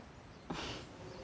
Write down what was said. フッ。